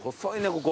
ここ。